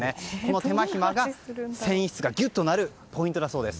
手間暇が繊維質がギュッとなるポイントだそうです。